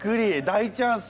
大チャンス。